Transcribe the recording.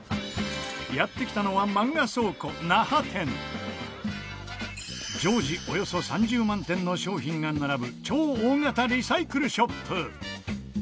やって来たのは常時およそ３０万点の商品が並ぶ超大型リサイクルショップ。